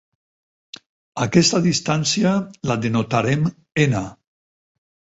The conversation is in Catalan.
Aquesta distància la denotarem "n".